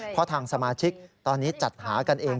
เพราะทางสมาชิกตอนนี้จัดหากันเอง